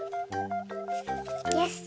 よし！